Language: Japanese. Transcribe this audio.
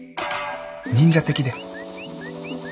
忍者的で。